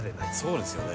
そうですよね。